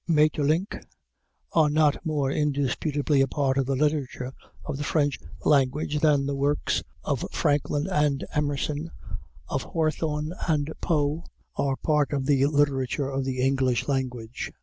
Maeterlinck are not more indisputably a part of the literature of the French language than the works of Franklin and Emerson, of Hawthorne and Poe are part of the literature of the English language.